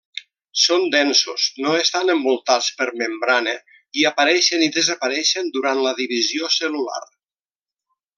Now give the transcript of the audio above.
Són densos, no estan envoltats per membrana i apareixen i desapareixen durant la divisió cel·lular.